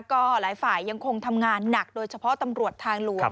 ก็หลายฝ่ายยังคงทำงานหนักโดยเฉพาะตำรวจทางหลวง